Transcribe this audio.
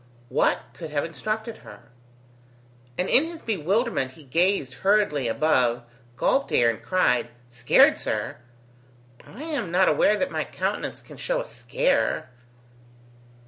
What could have instructed her? And in his bewilderment he gazed hurriedly above, gulped air, and cried: "Scared, sir? I am not aware that my countenance can show a scare.